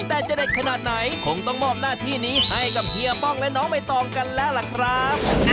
แต่จะเด็ดขนาดไหนคงต้องมอบหน้าที่นี้ให้กับเฮียป้องและน้องใบตองกันแล้วล่ะครับ